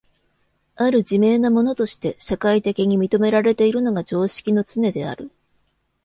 或る自明なものとして社会的に認められているのが常識のつねである。